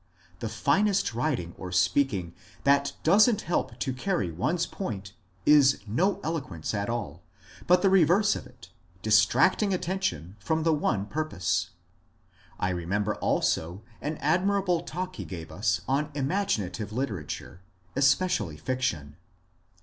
The finest writing or speaking that does n't help to carry one's point is no eloquence at all, but the reverse of it, distracting attention from the one purpose. I remember also an admirable talk he gave us on imaginative literature, especially fiction.